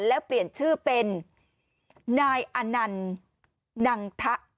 แล้วเปลี่ยนชื่อเป็นนายอนันต์นังทะ